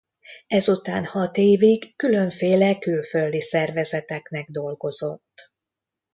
Ez után hat évig különféle külföldi szervezeteknek dolgozott.